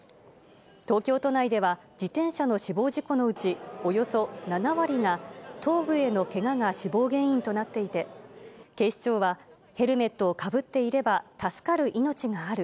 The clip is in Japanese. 東京都内では、自転車の死亡事故のうち、およそ７割が頭部へのけがが死亡原因となっていて、警視庁は、ヘルメットをかぶっていれば助かる命がある。